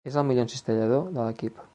És el millor encistellador de l'equip.